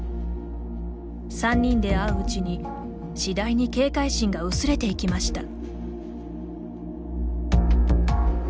３人で会ううちに次第に警戒心が薄れていきました。